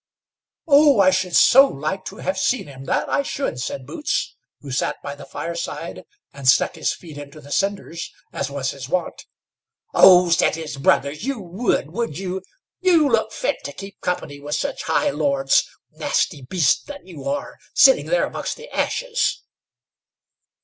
"Oh! I should so like to have seen him, that I should," said Boots, who sat by the fireside, and stuck his feet into the cinders, as was his wont. "Oh!" said his brothers, "you would, would you? You look fit to keep company with such high lords, nasty beast that you are, sitting there amongst the ashes."